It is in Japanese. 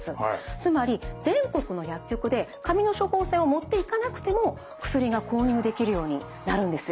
つまり全国の薬局で紙の処方箋を持っていかなくても薬が購入できるようになるんですよ。